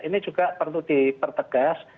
ini juga perlu dipertegas